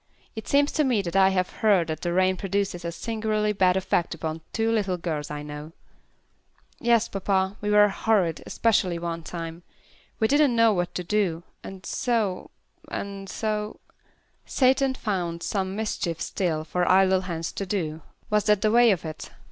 "It seems to me that I have heard that the rain produces a singularly bad effect upon two little girls I know." "Yes, papa, we were horrid, especially one time. We didn't know what to do, and so and so " "'Satan found some mischief still For idle hands to do;' was that the way of it?"